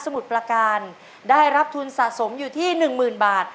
มุดประการได้รับทุนสะสมอยู่ที่หนึ่งหมื่นบาท